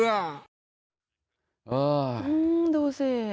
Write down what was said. อื้อดูสิ